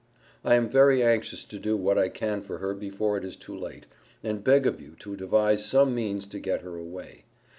I am very anxious to do what I can for her before it is too late, and beg of you to devise some means to get her away.